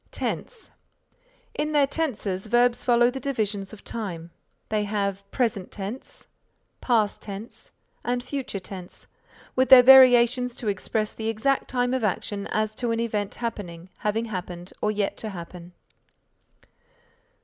TENSE In their tenses verbs follow the divisions of time. They have present tense, past tense and future tense with their variations to express the exact time of action as to an event happening, having happened or yet to happen.